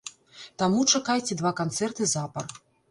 Таму чакайце два канцэрты запар.